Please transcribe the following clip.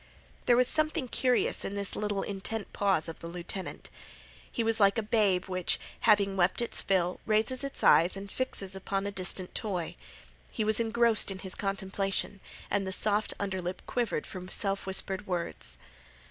There was something curious in this little intent pause of the lieutenant. He was like a babe which, having wept its fill, raises its eyes and fixes upon a distant toy. He was engrossed in this contemplation, and the soft under lip quivered from self whispered words.